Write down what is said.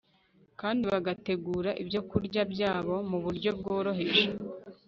kandi bagategura ibyokurya byabo mu buryo bworoheje